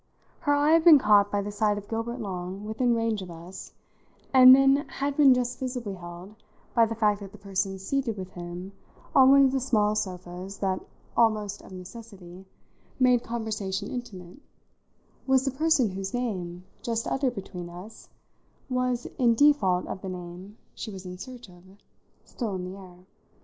Her eye had been caught by the sight of Gilbert Long within range of us, and then had been just visibly held by the fact that the person seated with him on one of the small sofas that almost of necessity made conversation intimate was the person whose name, just uttered between us, was, in default of the name she was in search of, still in the air.